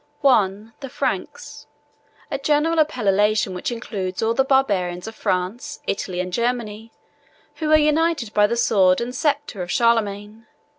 I. The Franks; a general appellation which includes all the Barbarians of France, Italy, and Germany, who were united by the sword and sceptre of Charlemagne.